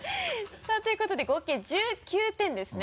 さぁということで合計１９点ですね。